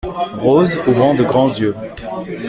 Rose , ouvrant de grands yeux.